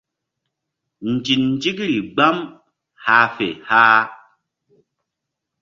Nzinzikri gbam hah fe hah.